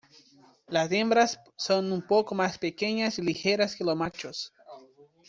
Las hembras son un poco más pequeñas y ligeras que los machos.